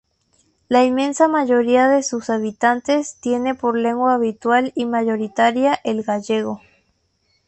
La inmensa mayoría de sus habitantes tiene por lengua habitual y mayoritaria el gallego.